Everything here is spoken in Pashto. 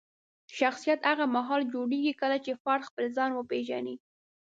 شخصیت هغه مهال جوړېږي کله چې فرد خپل ځان وپیژني.